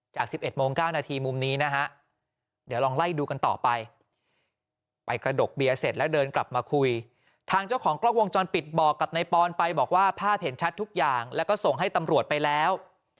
จาก๑๑โมง๙นาทีมุมนี้นะฮะเดี๋ยวลองไล่ดูกันต่อไปไปกระดกเบียร์เสร็จแล้วเดินกลับมาคุยทางเจ้าของกล้องวงจรปิดบอกกับนายปอนไปบอกว่าภาพเห็นชัดทุกอย่างแล้วก็ส่งให้ตำรวจไปแล้ว